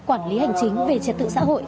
quản lý hành chính về trật tự xã hội